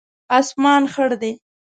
اسمان خړ دی